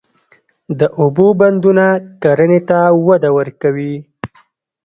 د اوبو بندونه کرنې ته وده ورکوي.